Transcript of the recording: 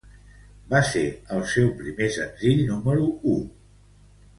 Va ser el seu primer senzill número u.